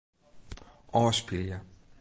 Ofspylje.